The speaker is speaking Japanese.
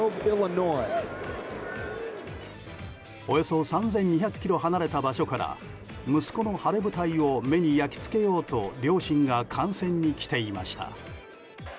およそ３２００ｋｍ離れた場所から息子の晴れ舞台を目に焼き付けようと両親が観戦に来ていました。